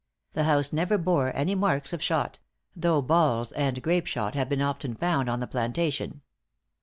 The house never bore any marks of shot; though balls and grape shot have been often found on the plantation.